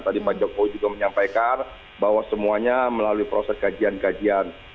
tadi pak jokowi juga menyampaikan bahwa semuanya melalui proses kajian kajian